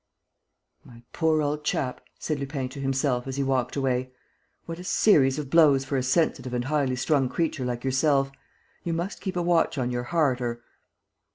"My poor old chap!" said Lupin to himself, as he walked away. "What a series of blows for a sensitive and highly strung creature like yourself! You must keep a watch on your heart or